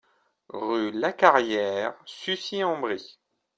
Rue Lacarrière, Sucy-en-Brie